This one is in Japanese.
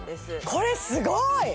これすごーい！